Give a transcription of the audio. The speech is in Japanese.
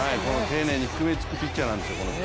丁寧に低めを突くピッチャーなんですよ。